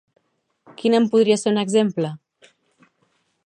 Quina en podria ser un exemple?